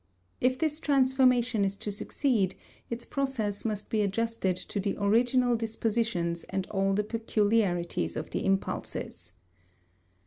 If this transformation is to succeed its process must be adjusted to the original dispositions and all the peculiarities of the impulses.